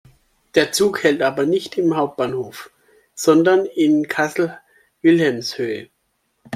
Der Zug hält aber nicht am Hauptbahnhof, sondern in Kassel-Wilhelmshöhe.